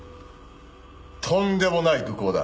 とんでもない愚行だ。